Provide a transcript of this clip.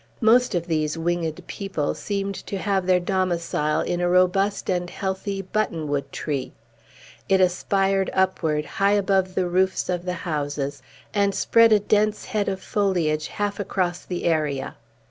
Most of these winged people seemed to have their domicile in a robust and healthy buttonwood tree. It aspired upward, high above the roofs of the houses, and spread a dense head of foliage half across the area.